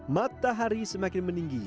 matahari semakin meninggi